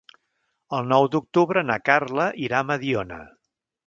El nou d'octubre na Carla irà a Mediona.